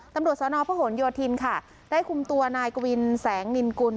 ตำรวจสนพหนโยธินค่ะได้คุมตัวนายกวินแสงนินกุล